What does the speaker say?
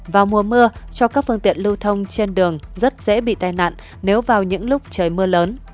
vào mùa mưa cho các phương tiện lưu thông trên đường rất dễ bị tai nạn nếu vào những lúc trời mưa lớn